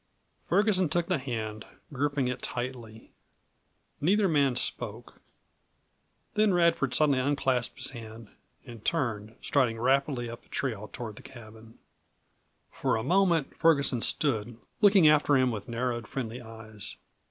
Ferguson took the hand, gripping it tightly. Neither man spoke. Then Radford suddenly unclasped his hand and turned, striding rapidly up the trail toward the cabin. For a moment Ferguson stood, looking after him with narrowed, friendly eyes.